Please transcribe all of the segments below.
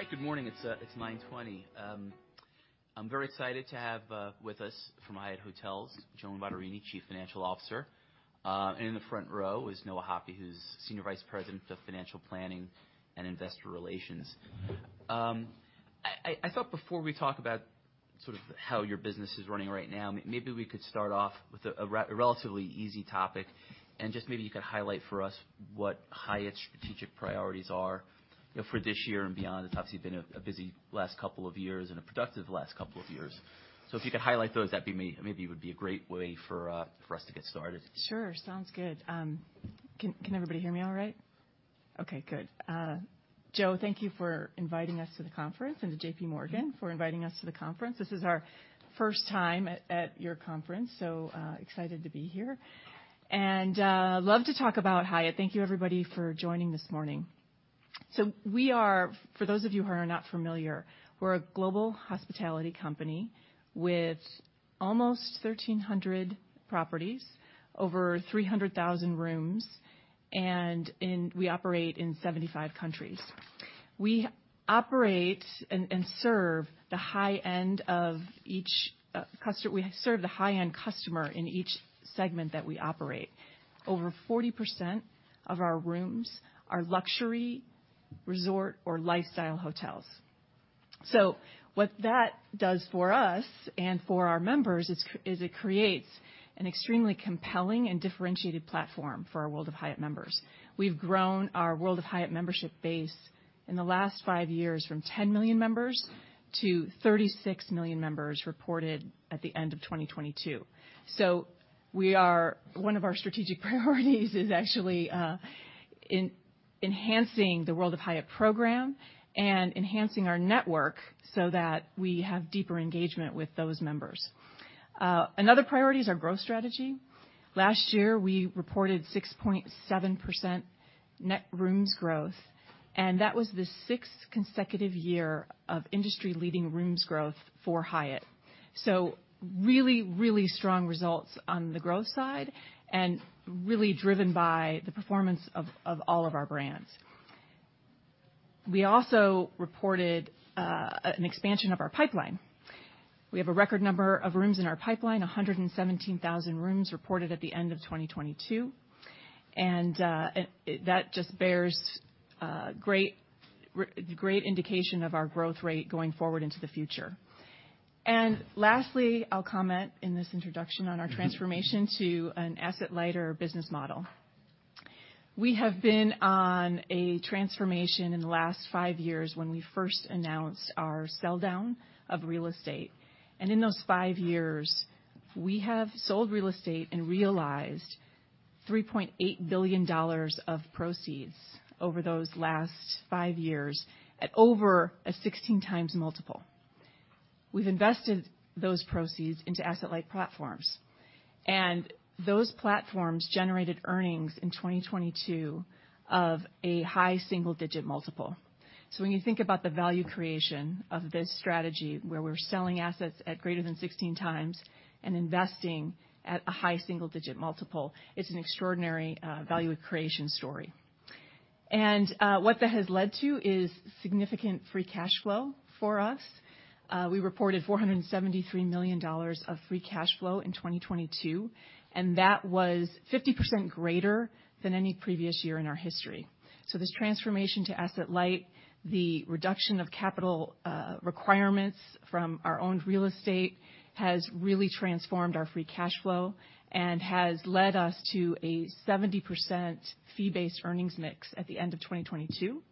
All right. Good morning. It's 9:20. I'm very excited to have with us from Hyatt Hotels, Joan Bottarini, Chief Financial Officer. In the front row is Noah Hoppe, who's Senior Vice President of Financial Planning and Investor Relations. I thought before we talk about sort of how your business is running right now, maybe we could start off with a relatively easy topic, and just maybe you could highlight for us what Hyatt's strategic priorities are, you know, for this year and beyond. It's obviously been a busy last couple of years and a productive last couple of years. If you could highlight those, that'd be maybe would be a great way for us to get started. Sure. Sounds good. Can everybody hear me all right? Okay, good. Joe, thank you for inviting us to the conference and to JPMorgan for inviting us to the conference. This is our first time at your conference, excited to be here. Love to talk about Hyatt. Thank you everybody for joining this morning. We are for those of you who are not familiar, we're a global hospitality company with almost 1,300 properties, over 300,000 rooms, we operate in 75 countries. We operate and serve the high end of each, we serve the high-end customer in each segment that we operate. Over 40% of our rooms are luxury, resort, or lifestyle hotels. What that does for us and for our members is it creates an extremely compelling and differentiated platform for our World of Hyatt members. We've grown our World of Hyatt membership base in the last five years from 10 million members to 36 million members reported at the end of 2022. One of our strategic priorities is actually enhancing the World of Hyatt program and enhancing our network so that we have deeper engagement with those members. Another priority is our growth strategy. Last year, we reported 6.7% net rooms growth, and that was the sixth consecutive year of industry-leading rooms growth for Hyatt. Really, really strong results on the growth side and really driven by the performance of all of our brands. We also reported an expansion of our pipeline. We have a record number of rooms in our pipeline, 117,000 rooms reported at the end of 2022, that just bears great indication of our growth rate going forward into the future. Lastly, I'll comment in this introduction on our transformation to an asset-lighter business model. We have been on a transformation in the last five years when we first announced our sell down of real estate. In those five years, we have sold real estate and realized $3.8 billion of proceeds over those last five years at over a 16x multiple. We've invested those proceeds into asset-light platforms, and those platforms generated earnings in 2022 of a high single-digit multiple. When you think about the value creation of this strategy, where we're selling assets at greater than 16 times and investing at a high single-digit multiple, it's an extraordinary value creation story. What that has led to is significant free cash flow for us. We reported $473 million of free cash flow in 2022, and that was 50% greater than any previous year in our history. This transformation to asset-light, the reduction of capital requirements from our owned real estate has really transformed our free cash flow and has led us to a 70% fee-based earnings mix at the end of 2022.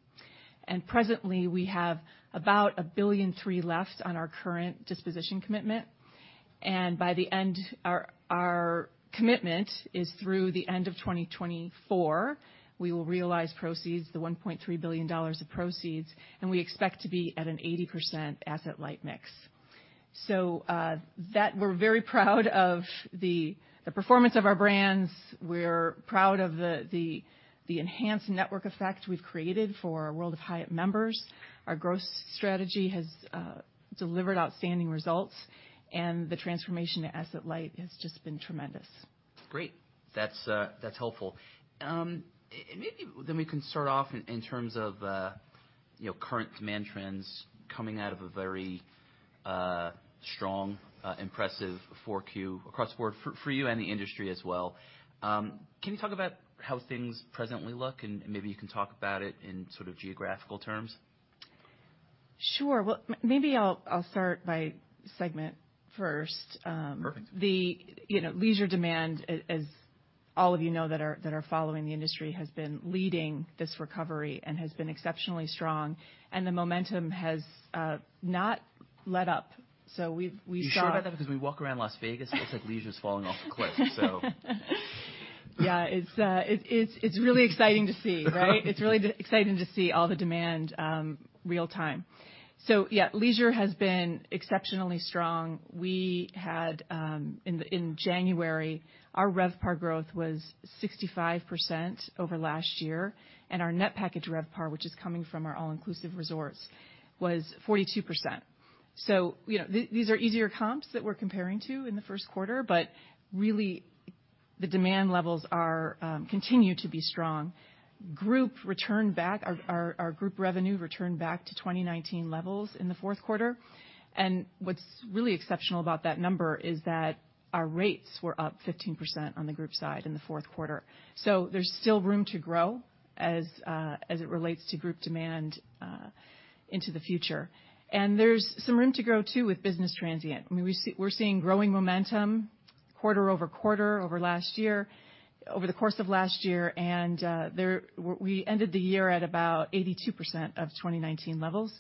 Presently, we have about $1.3 billion left on our current disposition commitment. Our commitment is through the end of 2024. We will realize proceeds, the $1.3 billion of proceeds, and we expect to be at an 80% asset-light mix. We're very proud of the performance of our brands. We're proud of the enhanced network effect we've created for our World of Hyatt members. Our growth strategy has delivered outstanding results, and the transformation to asset-light has just been tremendous. Great. That's helpful. Maybe then we can start off in terms of, you know, current demand trends coming out of a very strong, impressive four Q across the board for you and the industry as well. Can you talk about how things presently look, and maybe you can talk about it in sort of geographical terms? Sure. Well, maybe I'll start by segment first. Perfect. The, you know, leisure demand, as all of you know that are following the industry, has been leading this recovery and has been exceptionally strong, and the momentum has not let up. We've You sure about that? We walk around Las Vegas, it looks like leisure's falling off a cliff, so. It's really exciting to see, right? It's really exciting to see all the demand, real time. Leisure has been exceptionally strong. We had in January, our RevPAR growth was 65% over last year, and our net package RevPAR, which is coming from our all-inclusive resorts, was 42%. You know, these are easier comps that we're comparing to in the first quarter, but the demand levels continue to be strong. Our group revenue returned back to 2019 levels in the fourth quarter. What's really exceptional about that number is that our rates were up 15% on the group side in the fourth quarter. There's still room to grow as it relates to group demand into the future. There's some room to grow, too, with business transient. I mean, we're seeing growing momentum quarter-over-quarter over last year, over the course of last year. We ended the year at about 82% of 2019 levels,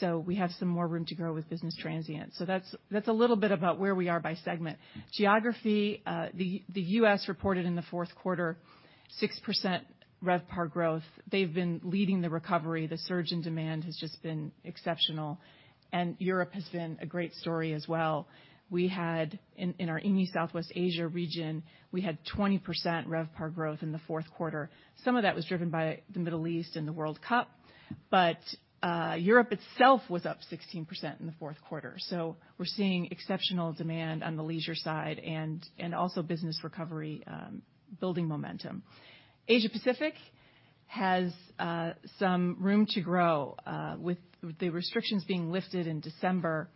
so we have some more room to grow with business transient. That's a little bit about where we are by segment. Geography, the U.S. reported in the fourth quarter 6% RevPAR growth. They've been leading the recovery. The surge in demand has just been exceptional, and Europe has been a great story as well. We had in our EAME Southwest Asia region, we had 20% RevPAR growth in the fourth quarter. Some of that was driven by the Middle East and the World Cup, but Europe itself was up 16% in the fourth quarter. We're seeing exceptional demand on the leisure side and also business recovery, building momentum. Asia Pacific has some room to grow with the restrictions being lifted in December.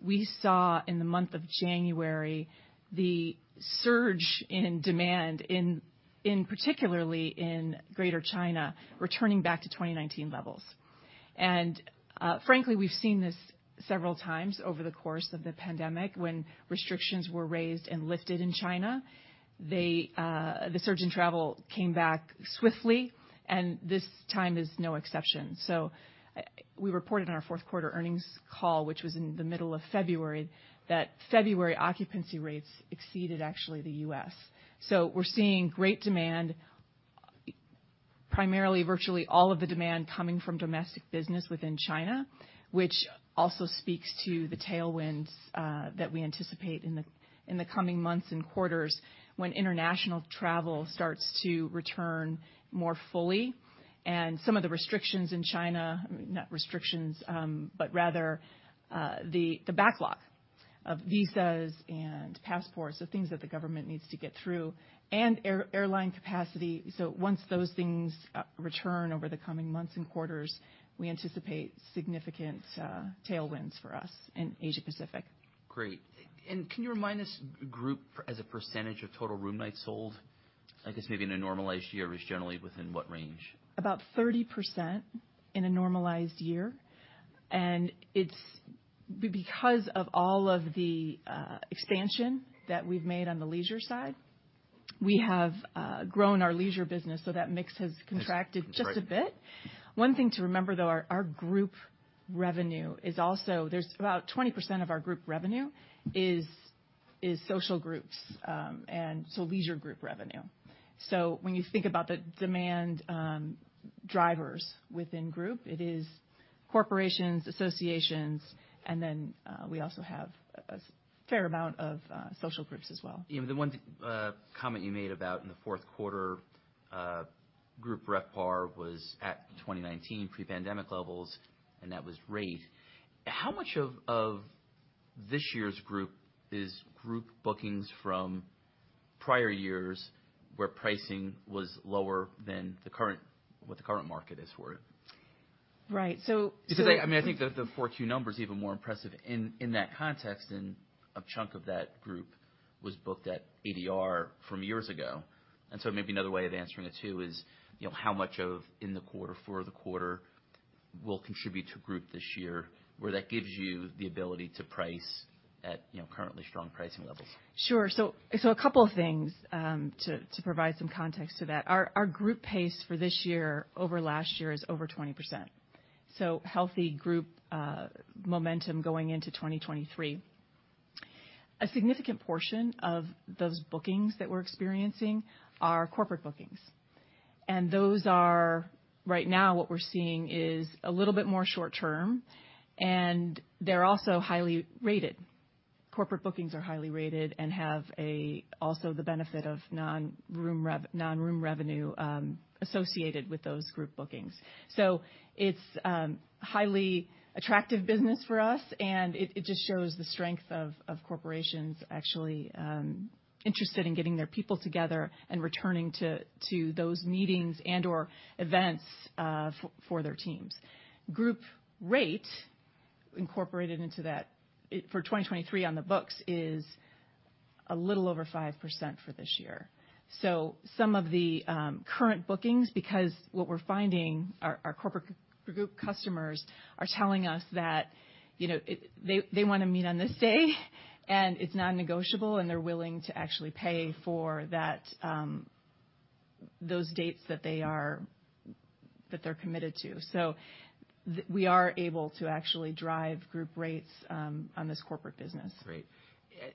We saw in the month of January the surge in demand in particularly in Greater China, returning back to 2019 levels. Frankly, we've seen this several times over the course of the pandemic when restrictions were raised and lifted in China. They, the surge in travel came back swiftly, and this time is no exception. We reported on our fourth quarter earnings call, which was in the middle of February, that February occupancy rates exceeded actually the U.S. We're seeing great demand, primarily virtually all of the demand coming from domestic business within China, which also speaks to the tailwinds that we anticipate in the coming months and quarters when international travel starts to return more fully and some of the restrictions in China, I mean, not restrictions, but rather the backlog of visas and passports, things that the government needs to get through, and airline capacity. Once those things return over the coming months and quarters, we anticipate significant tailwinds for us in Asia Pacific. Great. Can you remind us group as a percentage of total room nights sold? I guess maybe in a normalized year is generally within what range? About 30% in a normalized year. It's because of all of the expansion that we've made on the leisure side, we have grown our leisure business, so that mix has contracted just a bit. One thing to remember, though, our group revenue is also. There's about 20% of our group revenue is social groups, and so leisure group revenue. When you think about the demand drivers within group, it is corporations, associations, and then we also have a fair amount of social groups as well. Yeah. The one comment you made about in the fourth quarter, group RevPAR was at 2019 pre-pandemic levels, and that was rate. How much of this year's group is group bookings from prior years where pricing was lower than what the current market is worth? Right. I mean, I think the 42 number is even more impressive in that context, a chunk of that group was booked at ADR from years ago. Maybe another way of answering it too is, you know, how much of in the quarter for the quarter will contribute to group this year, where that gives you the ability to price at, you know, currently strong pricing levels? Sure. A couple of things to provide some context to that. Our group pace for this year over last year is over 20%. Healthy group momentum going into 2023. A significant portion of those bookings that we're experiencing are corporate bookings. Right now what we're seeing is a little bit more short term, and they're also highly rated. Corporate bookings are highly rated and have also the benefit of non-room revenue associated with those group bookings. It's highly attractive business for us, and it just shows the strength of corporations actually interested in getting their people together and returning to those meetings and/or events for their teams. Group rate incorporated into that, for 2023 on the books is a little over 5% for this year. Some of the current bookings, because what we're finding, our corporate group customers are telling us that, you know, they wanna meet on this day and it's non-negotiable, and they're willing to actually pay for that, those dates that they're committed to. We are able to actually drive group rates on this corporate business. Great.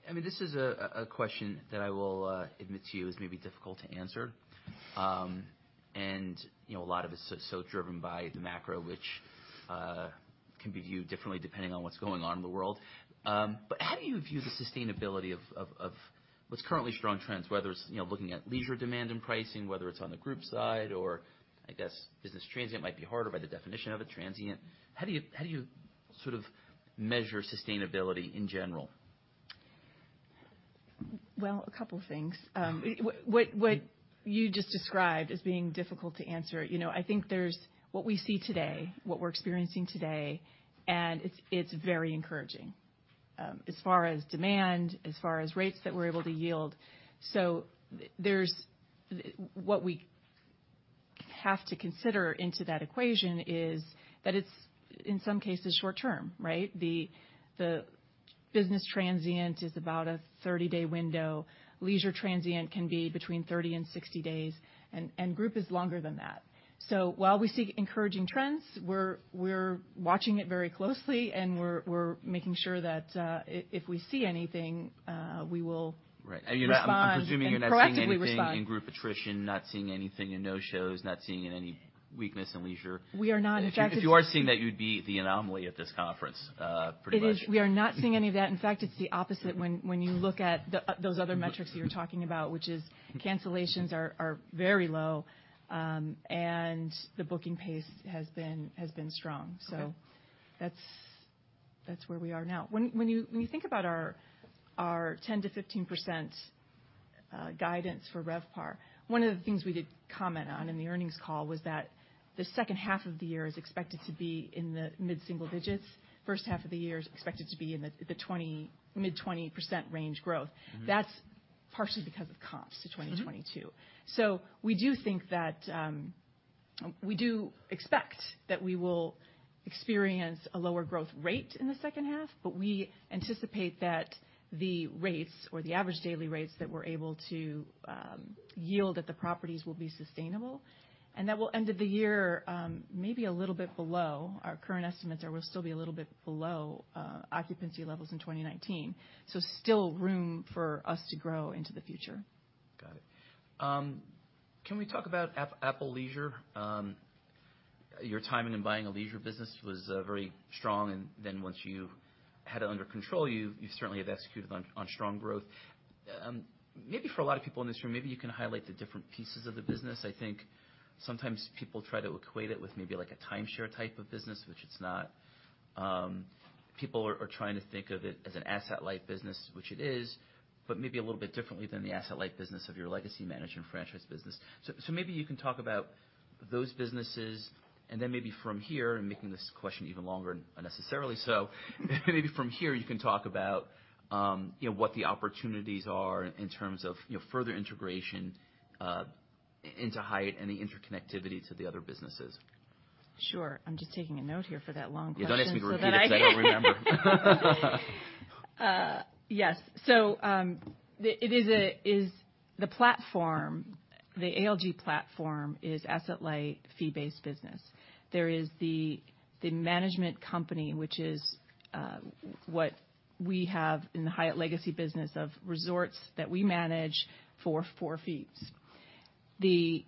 I mean, this is a question that I will admit to you is maybe difficult to answer. You know, a lot of it's so driven by the macro, which can be viewed differently depending on what's going on in the world. How do you view the sustainability of what's currently strong trends, whether it's, you know, looking at leisure demand and pricing, whether it's on the group side, or I guess business transient might be harder by the definition of a transient. How do you view that? Sort of, measure sustainability in general. A couple of things. What you just described as being difficult to answer, you know, I think there's what we see today, what we're experiencing today, and it's very encouraging, as far as demand, as far as rates that we're able to yield. What we have to consider into that equation is that it's, in some cases, short term, right? The business transient is about a 30-day window. Leisure transient can be between 30 and 60 days, and group is longer than that. While we see encouraging trends, we're watching it very closely, and we're making sure that if we see anything, we will respond. Right. I'm presuming you're not seeing anything in group attrition, not seeing anything in no-shows, not seeing any weakness in leisure. We are not, in fact. If you are seeing that, you'd be the anomaly at this conference, pretty much. It is. We are not seeing any of that. In fact, it's the opposite when you look at the those other metrics you're talking about, which is cancellations are very low, and the booking pace has been strong. Okay. That's where we are now. When you think about our 10%-15% guidance for RevPAR, one of the things we did comment on in the earnings call was that the second half of the year is expected to be in the mid-single digits. First half of the year is expected to be in the mid-20% range growth. Mm-hmm. That's partially because of comps to 2022. Mm-hmm. We do expect that we will experience a lower growth rate in the second half, but we anticipate that the rates or the average daily rates that we're able to yield at the properties will be sustainable, and that we'll end of the year, maybe a little bit below our current estimates, or we'll still be a little bit below occupancy levels in 2019. Still room for us to grow into the future. Got it. Can we talk about Apple Leisure? Your timing in buying a leisure business was very strong. Once you had it under control, you certainly have executed on strong growth. Maybe for a lot of people in this room, maybe you can highlight the different pieces of the business. I think sometimes people try to equate it with maybe like a timeshare type of business, which it's not. People are trying to think of it as an asset-light business, which it is, but maybe a little bit differently than the asset-light business of your legacy management franchise business. Maybe you can talk about those businesses, and then maybe from here, I'm making this question even longer, unnecessarily so, maybe from here you can talk about, you know, what the opportunities are in terms of, you know, further integration, into Hyatt and the interconnectivity to the other businesses. Sure. I'm just taking a note here for that long question so that I. Yeah, don't ask me to repeat it because I don't remember. The platform, the ALG platform is asset-light, fee-based business. There is the management company, which is what we have in the Hyatt Legacy business of resorts that we manage for fees. The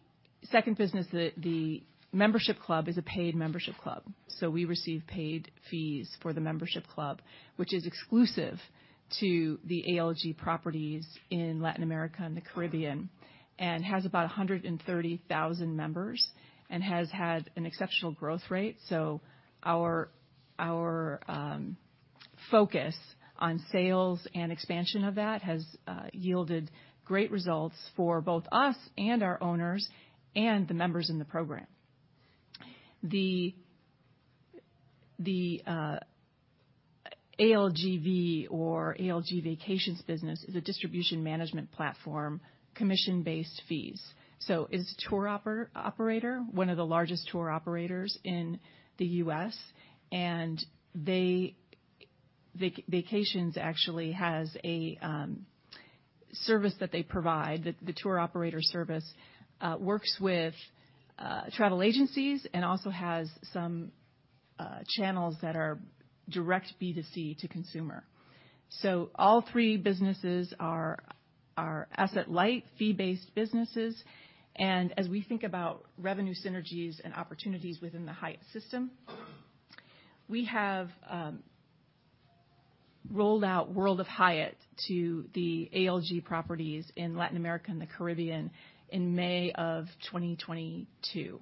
second business, the membership club is a paid membership club. We receive paid fees for the membership club, which is exclusive to the ALG properties in Latin America and the Caribbean, and has about 130,000 members and has had an exceptional growth rate. Our focus on sales and expansion of that has yielded great results for both us and our owners and the members in the program. The ALGV or ALG Vacations business is a distribution management platform, commission-based fees. Is tour operator, one of the largest tour operators in the U.S., and ALG Vacations actually has a service that they provide, the tour operator service works with travel agencies and also has some channels that are direct B2C to consumer. All three businesses are asset-light, fee-based businesses. As we think about revenue synergies and opportunities within the Hyatt system, we have rolled out World of Hyatt to the ALG properties in Latin America and the Caribbean in May of 2022.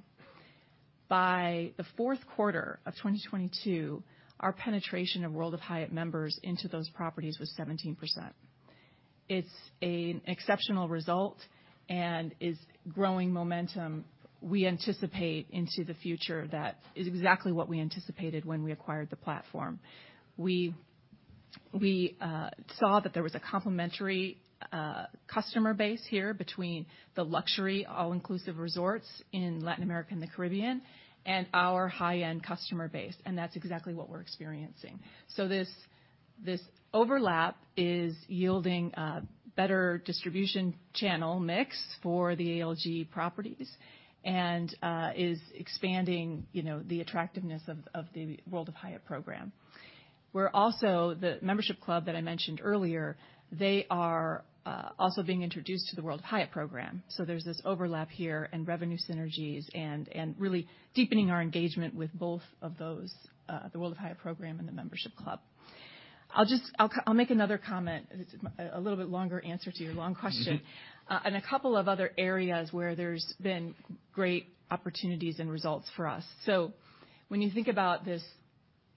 By the fourth quarter of 2022, our penetration of World of Hyatt members into those properties was 17%. It's an exceptional result and is growing momentum we anticipate into the future that is exactly what we anticipated when we acquired the platform. We saw that there was a complementary customer base here between the luxury all-inclusive resorts in Latin America and the Caribbean and our high-end customer base, and that's exactly what we're experiencing. This overlap is yielding a better distribution channel mix for the ALG properties and is expanding, you know, the attractiveness of the World of Hyatt program. The membership club that I mentioned earlier, they are also being introduced to the World of Hyatt program. There's this overlap here and revenue synergies and really deepening our engagement with both of those, the World of Hyatt program and the membership club. I'll make another comment, it's a little bit longer answer to your long question. Mm-hmm. A couple of other areas where there's been great opportunities and results for us. When you think about this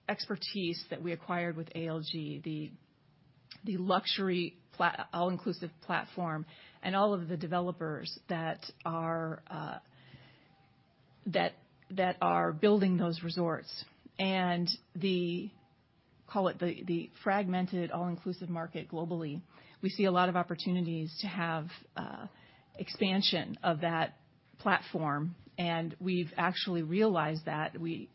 expertise that we acquired with ALG, the luxury all-inclusive platform and all of the developers that are building those resorts and the, call it the fragmented all-inclusive market globally, we see a lot of opportunities to have expansion of that platform. We've actually realized that. We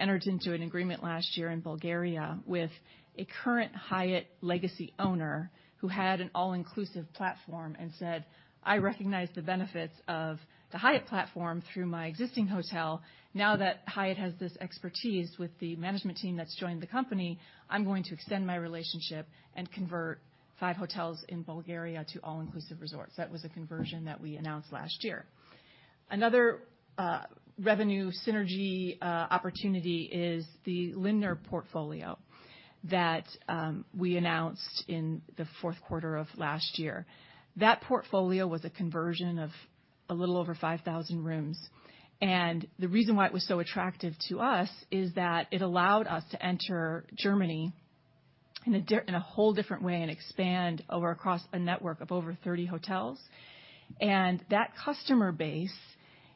entered into an agreement last year in Bulgaria with a current Hyatt Legacy owner who had an all-inclusive platform and said, "I recognize the benefits of the Hyatt platform through my existing hotel. Now that Hyatt has this expertise with the management team that's joined the company, I'm going to extend my relationship and convert five hotels in Bulgaria to all-inclusive resorts." That was a conversion that we announced last year. Another revenue synergy opportunity is the Lindner portfolio that we announced in the fourth quarter of last year. That portfolio was a conversion of a little over 5,000 rooms. The reason why it was so attractive to us is that it allowed us to enter Germany in a whole different way and expand across a network of over 30 hotels. That customer base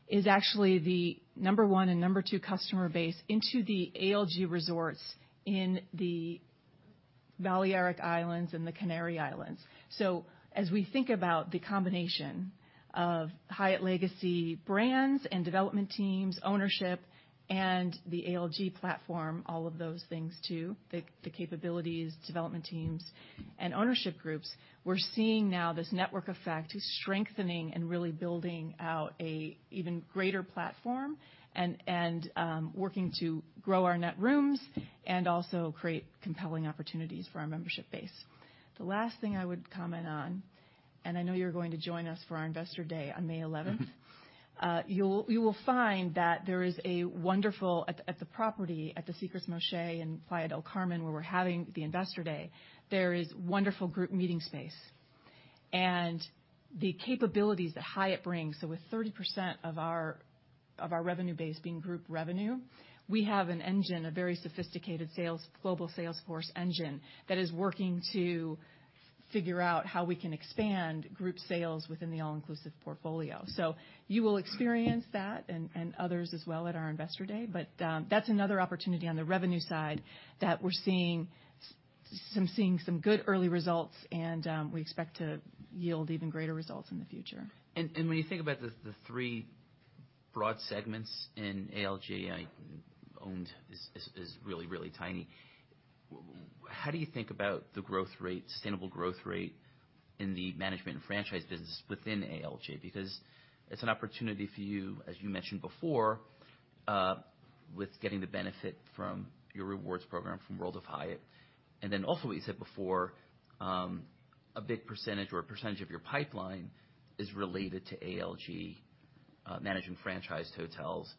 is actually the number one and number two customer base into the ALG resorts in the Balearic Islands and the Canary Islands. As we think about the combination of Hyatt Legacy brands and development teams, ownership, and the ALG platform, all of those things too, the capabilities, development teams, and ownership groups, we're seeing now this network effect is strengthening and really building out a even greater platform and working to grow our net rooms and also create compelling opportunities for our membership base. The last thing I would comment on, and I know you're going to join us for our Investor Day on May 11th. You will find that there is a wonderful... At the property, at the Secrets Moxché in Playa del Carmen, where we're having the Investor Day, there is wonderful group meeting space. The capabilities that Hyatt brings, so with 30% of our revenue base being group revenue, we have an engine, a very sophisticated sales global sales force engine that is working to figure out how we can expand group sales within the all-inclusive portfolio. You will experience that and others as well at our Investor Day. That's another opportunity on the revenue side that we're seeing some good early results, and we expect to yield even greater results in the future. When you think about the three broad segments in ALG, owned is really tiny. Well, how do you think about the growth rate, sustainable growth rate in the management and franchise business within ALG? Because it's an opportunity for you, as you mentioned before, with getting the benefit from your rewards program from World of Hyatt. Then also what you said before, a big percentage or a percentage of your pipeline is related to ALG, management franchised hotels.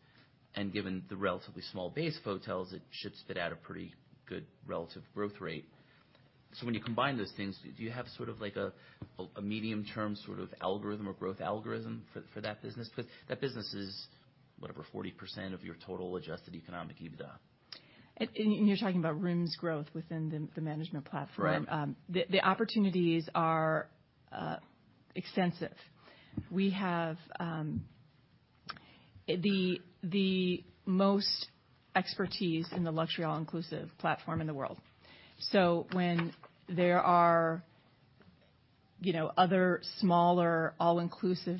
Given the relatively small base of hotels, it should spit out a pretty good relative growth rate. When you combine those things, do you have sort of like a medium term algorithm or growth algorithm for that business? Because that business is, whatever, 40% of your total adjusted economic EBITDA. You're talking about rooms growth within the management platform. Right. The opportunities are extensive. We have the most expertise in the luxury all-inclusive platform in the world. When there are, you know, other smaller all-inclusive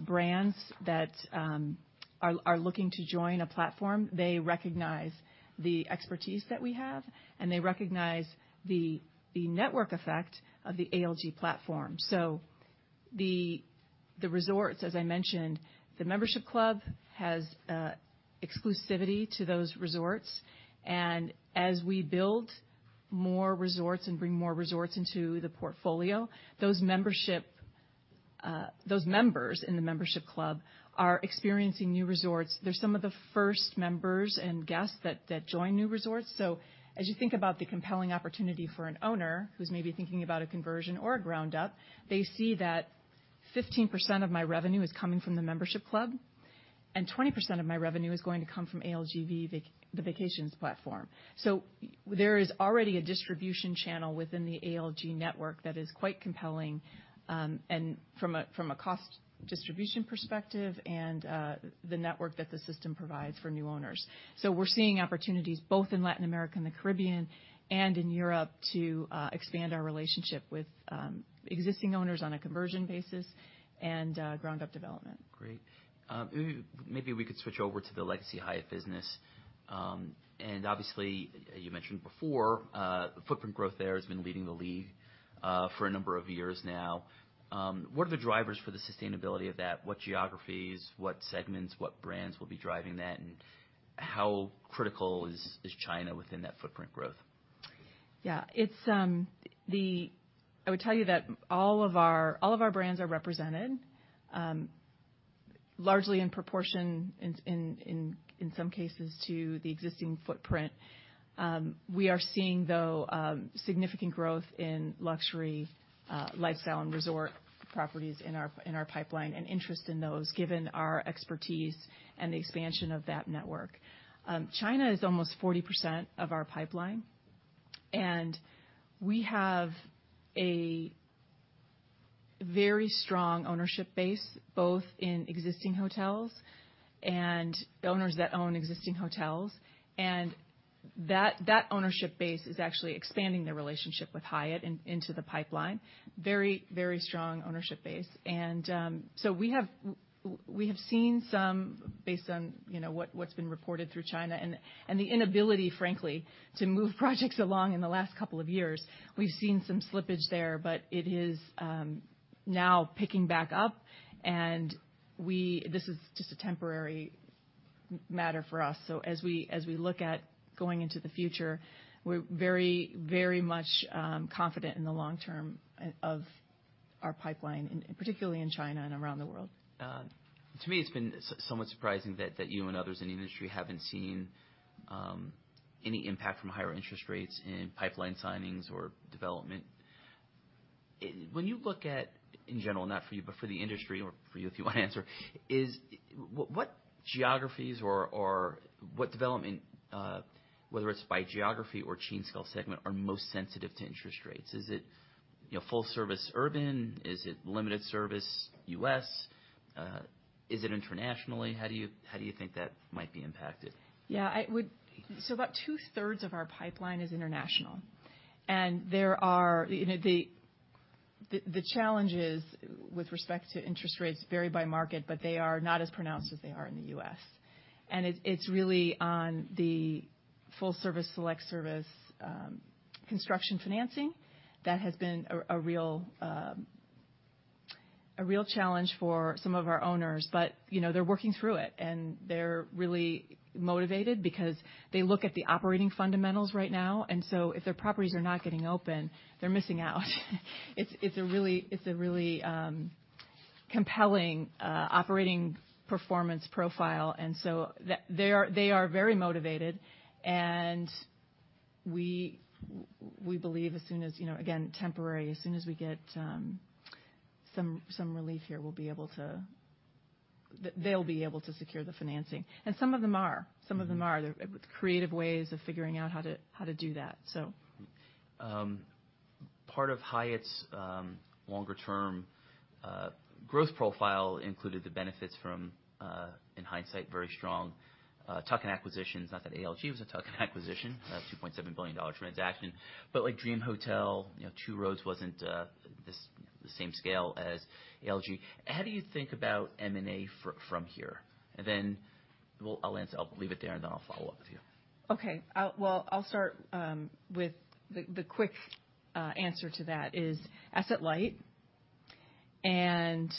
brands that are looking to join a platform, they recognize the expertise that we have, and they recognize the network effect of the ALG platform. The resorts, as I mentioned, the membership club has exclusivity to those resorts. As we build more resorts and bring more resorts into the portfolio, those members in the membership club are experiencing new resorts. They're some of the first members and guests that join new resorts. As you think about the compelling opportunity for an owner who's maybe thinking about a conversion or a ground-up, they see that 15% of my revenue is coming from the membership club, and 20% of my revenue is going to come from ALGV, the vacations platform. There is already a distribution channel within the ALG network that is quite compelling, and from a cost distribution perspective and the network that the system provides for new owners. We're seeing opportunities both in Latin America and the Caribbean and in Europe to expand our relationship with existing owners on a conversion basis and ground up development. Great. Maybe we could switch over to the Hyatt Legacy business. Obviously, you mentioned before, the footprint growth there has been leading the league for a number of years now. What are the drivers for the sustainability of that? What geographies, what segments, what brands will be driving that? How critical is China within that footprint growth? Yeah. It's, I would tell you that all of our brands are represented. Largely in proportion in some cases to the existing footprint. We are seeing, though, significant growth in luxury, lifestyle and resort properties in our pipeline and interest in those, given our expertise and the expansion of that network. China is almost 40% of our pipeline. We have a very strong ownership base, both in existing hotels and owners that own existing hotels. That ownership base is actually expanding their relationship with Hyatt into the pipeline. Very strong ownership base. We have seen some based on, you know, what's been reported through China and the inability, frankly, to move projects along in the last couple of years. We've seen some slippage there, but it is, now picking back up, and this is just a temporary matter for us. As we, as we look at going into the future, we're very, very much, confident in the long term of our pipeline, and particularly in China and around the world. To me, it's been somewhat surprising that you and others in the industry haven't seen any impact from higher interest rates in pipeline signings or development. When you look at in general, not for you, but for the industry or for you, if you want to answer, what geographies or what development, whether it's by geography or chain scale segment, are most sensitive to interest rates? Is it, you know, full service urban? Is it limited service U.S.? Is it internationally? How do you, how do you think that might be impacted? About two-thirds of our pipeline is international, and there are, you know, the challenges with respect to interest rates vary by market, but they are not as pronounced as they are in the U.S. It's really on the full service, select service, construction financing that has been a real challenge for some of our owners. You know, they're working through it, and they're really motivated because they look at the operating fundamentals right now, if their properties are not getting open, they're missing out. It's a really compelling operating performance profile. They are very motivated. We believe as soon as, you know, again, temporary, as soon as we get, some relief here, we'll be able to they'll be able to secure the financing. Some of them are. Some of them are. Mm-hmm. There are creative ways of figuring out how to do that. Part of Hyatt's longer term growth profile included the benefits from in hindsight, very strong tuck-in acquisitions. Not that ALG was a tuck-in acquisition, a $2.7 billion transaction, but like Dream Hotel, you know, Two Roads wasn't the same scale as ALG. How do you think about M&A from here? I'll answer. I'll leave it there, and then I'll follow up with you. Okay. Well, I'll start with the quick answer to that is asset-light and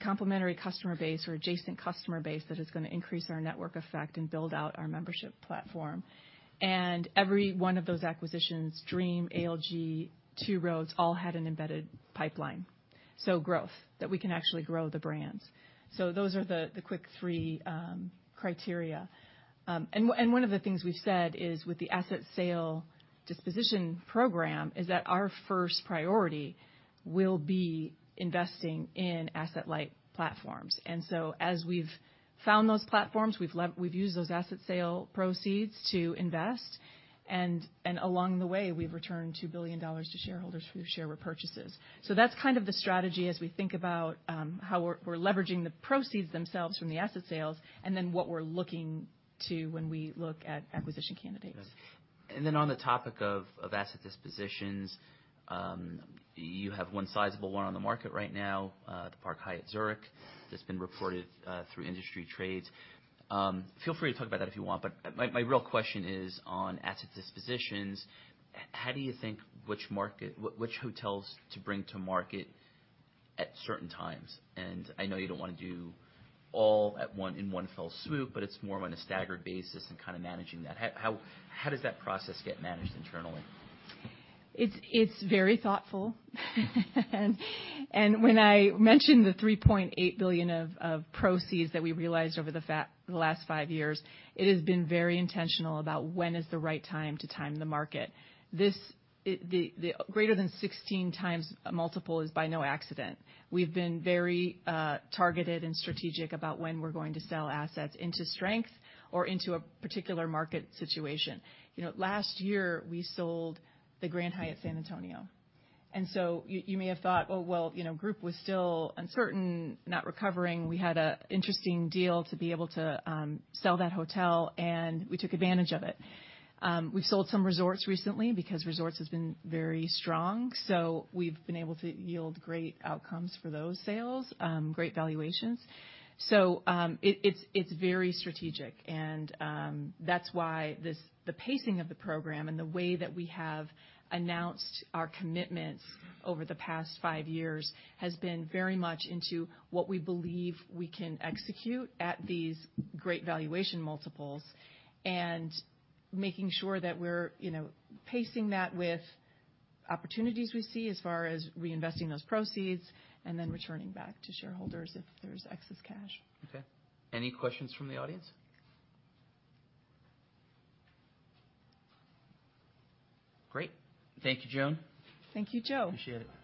complementary customer base or adjacent customer base that is gonna increase our network effect and build out our membership platform. Every one of those acquisitions, Dream, ALG, Two Roads, all had an embedded pipeline. Growth, that we can actually grow the brands. Those are the quick three criteria. One of the things we've said is with the asset sale disposition program is that our first priority will be investing in asset-light platforms. As we've found those platforms, we've used those asset sale proceeds to invest. Along the way, we've returned $2 billion to shareholders through share repurchases. That's kind of the strategy as we think about how we're leveraging the proceeds themselves from the asset sales and then what we're looking to when we look at acquisition candidates. On the topic of asset dispositions, you have one sizable one on the market right now, the Park Hyatt Zurich. That's been reported through industry trades. Feel free to talk about that if you want. My real question is on asset dispositions. How do you think which market which hotels to bring to market at certain times? I know you don't wanna do all in one fell swoop, but it's more on a staggered basis and kinda managing that. How does that process get managed internally? It's very thoughtful. When I mentioned the $3.8 billion of proceeds that we realized over the last five years, it has been very intentional about when is the right time to time the market. The greater than 16x multiple is by no accident. We've been very targeted and strategic about when we're going to sell assets into strength or into a particular market situation. You know, last year we sold the Grand Hyatt San Antonio. You may have thought, oh, well, you know, group was still uncertain, not recovering. We had a interesting deal to be able to sell that hotel, and we took advantage of it. We've sold some resorts recently because resorts has been very strong, so we've been able to yield great outcomes for those sales, great valuations. It's very strategic. That's why the pacing of the program and the way that we have announced our commitments over the past five years has been very much into what we believe we can execute at these great valuation multiples, and making sure that we're, you know, pacing that with opportunities we see as far as reinvesting those proceeds and then returning back to shareholders if there's excess cash. Okay. Any questions from the audience? Great. Thank you, Joan. Thank you, Joe. Appreciate it.